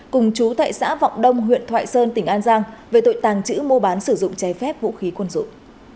cùng chú tại xã vọng đông huyện thoại sơn tỉnh an giang về tội tàng trữ mua bán sử dụng trái phép vũ khí quân dụng